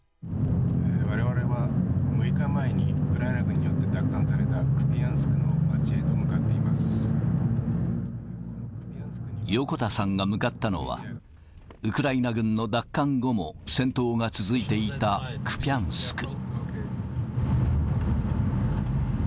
われわれは６日前に、ウクライナ軍によって奪還されたクピャンスクの街へと向かってい横田さんが向かったのは、ウクライナ軍の奪還後も戦闘が続いていたクピャンスク。